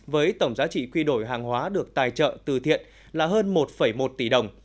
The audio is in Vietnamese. với tổng giá trị quy đổi hàng hóa được tài trợ từ thiện là hơn một một tỷ đồng